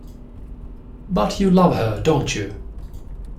But you love her, don't you?